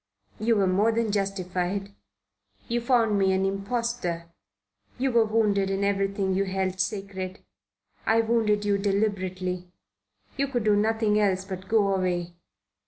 "You were more than justified. You found me an impostor. You were wounded in everything you held sacred. I wounded you deliberately. You could do nothing else but go away.